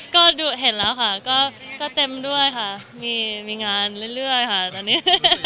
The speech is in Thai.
ก็เห็นแล้วค่ะก็เต็มด้วยค่ะมีงานเรื่อยค่ะตอนนี้